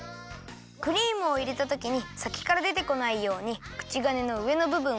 クリームをいれたときにさきからでてこないようにくちがねのうえのぶぶんをねじって。